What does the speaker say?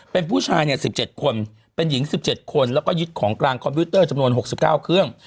เป็นผู้ชาย๑๗คนเป็นหญิง๑๗คนแล้วก็ยึดของกลางคอมพิวเตอร์จำนวน๖๙เครื่อง